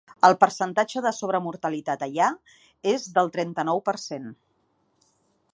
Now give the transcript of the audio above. El percentatge de sobremortalitat allà és del trenta-nou per cent.